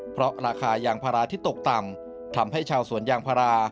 เพราะราคายางพาราที่ตกต่ำทำให้ชาวสวนยางพารา